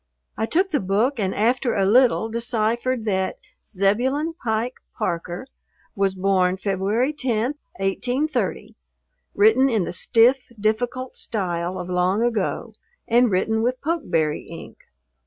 I took the book and after a little deciphered that "Zebulon Pike Parker was born Feb. 10, 1830," written in the stiff, difficult style of long ago and written with pokeberry ink.